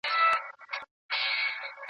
پښتو ژبه زموږ د هویت او کلتور اساس دی.